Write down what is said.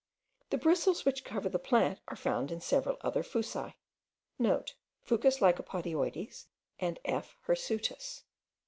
The bristles which cover this plant are found in several other fuci.* (* Fucus lycopodioides, and F. hirsutus.)